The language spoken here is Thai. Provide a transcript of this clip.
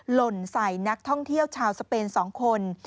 หล่นใส่นักท่องเที่ยวชาวสเปน๒คน